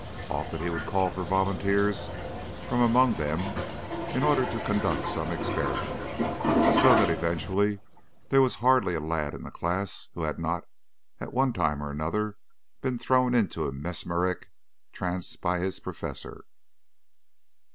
Often he would call for volunteers from amongst them in order to conduct some experiment, so that eventually there was hardly a lad in the class who had not, at one time or another, been thrown into a mesmeric trance by his Professor.